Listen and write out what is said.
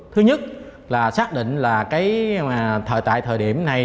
thứ nhất là xác định là tại thời điểm này